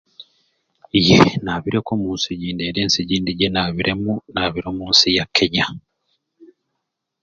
Yee naabireku omu nsi egindi era ensi egindi gyenaabiremu naabire omu nsi ya Kenya.